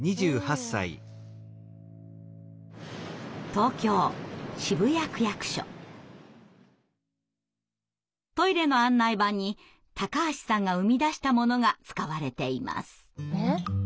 東京トイレの案内板に橋さんが生み出したものが使われています。